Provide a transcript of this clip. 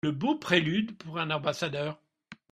Le beau prélude pour un ambassadeur !